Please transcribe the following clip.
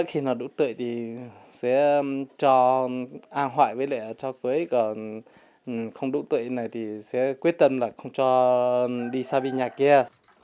khi nó đủ tội thì sẽ cho an hoại với lại cho cưới còn không đủ tội này thì sẽ quyết tâm là không cho đi xa bên nhà kia